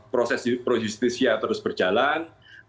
proses pro justisia terus berjalan